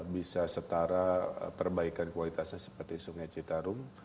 bisa setara perbaikan kualitasnya seperti sungai citarum